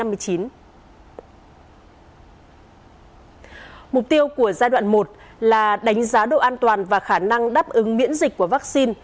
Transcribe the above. mục tiêu của giai đoạn một là đánh giá độ an toàn và khả năng đáp ứng miễn dịch của vaccine